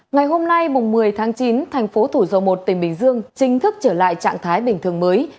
ngày hôm nay một mươi tháng chín thành phố thủ dầu một tỉnh bình dương chính thức trở lại trạng thái bình thường mới